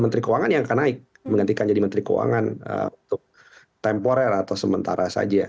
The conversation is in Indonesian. menteri keuangan yang akan naik menggantikan menjadi menteri keuangan untuk temporal atau sementara saja